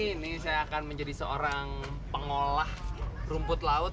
ini saya akan menjadi seorang pengolah rumput laut